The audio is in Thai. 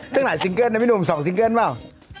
ตั้งหลายซิงเกิ้ลนะพี่หนุ่ม๒ซิงเกิ้ลเปล่า